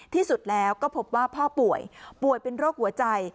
ที่สุดแล้วก็พบว่าพ่อป่วยป่วยเป็นโรคหัวใจ